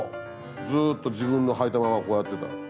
ずっと自分のはいたままこうやってた。